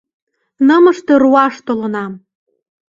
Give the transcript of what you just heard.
— Нымыште руаш толынам!